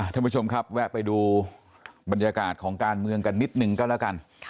ท่านผู้ชมครับแวะไปดูบรรยากาศของการเมืองกันนิดนึงก็แล้วกัน